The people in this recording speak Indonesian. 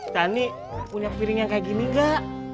teh ani punya piring yang kayak gini gak